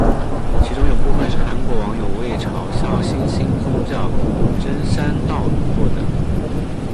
其中有部分是韩国网友为嘲笑新兴宗教甑山道做的。